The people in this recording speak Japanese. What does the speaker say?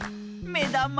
めだま。